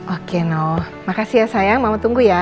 oke noh makasih ya sayang mama tunggu ya